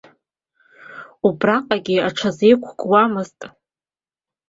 Убраҟагьы аҽазеиқәыкуамызт.